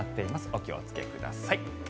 お気をつけください。